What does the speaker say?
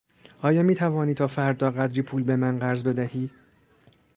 آیا میتوانی تا فردا قدری پول به من قرض بدهی؟